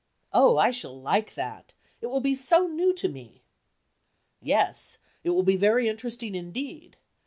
Oh! I shall like that, it will be so new to me." "Yes, it will be very interesting indeed.